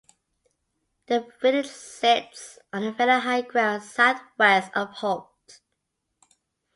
The village sits on fairly high ground south-west of Holt.